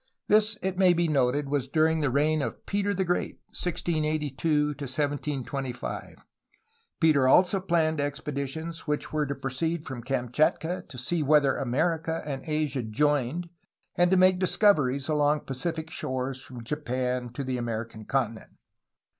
This, it may be noted, was during the reign of Peter the Great (1682 1725). Peter also planned expeditions which were to pro ceed from Kamchatka to see whether America and Asia joined and to make discoveries along Pacific shores from Japan to the American continent.